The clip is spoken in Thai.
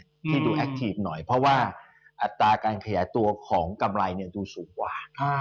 ที่ดูแอคทีฟหน่อยเพราะว่าอัตราการขยายตัวของกำไรเนี่ยดูสูงกว่า